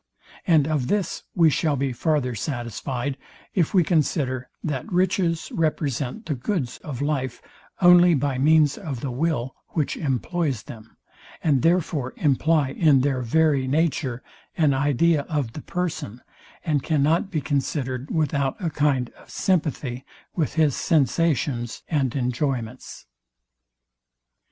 And of this we shall be farther satisfyed, if we consider, that riches represent the goods of life, only by means of the will; which employs them; and therefore imply in their very nature an idea of the person, and cannot be considered without a kind of sympathy with his sensations and enjoyments.